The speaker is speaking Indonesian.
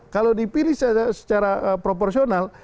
kalau dipilih secara proporsional